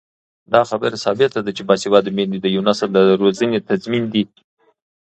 دا خبره ثابته ده چې باسواده میندې د پوه نسل د روزنې تضمین دي.